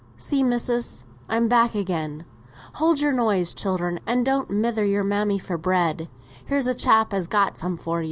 "See, missis, I'm back again. Hold your noise, children, and don't mither your mammy for bread; here's a chap as has got some for you."